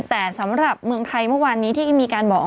แต่สำหรับเมืองไทยเมื่อวานนี้ที่มีการบอก